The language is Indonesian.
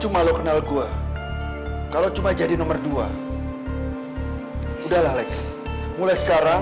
malahan dia juga yang ngerebut cewek saya bang